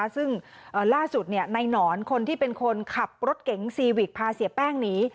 ซึ่งล่าสุดในหนอนคนที่เป็นคนขับรถเก๋งซีวิกพาเสียแป้งหนี